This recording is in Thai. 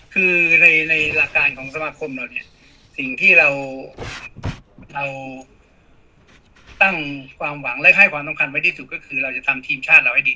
คือในหลักการของสมาคมเราเนี่ยสิ่งที่เราตั้งความหวังและให้ความสำคัญไว้ที่สุดก็คือเราจะทำทีมชาติเราให้ดี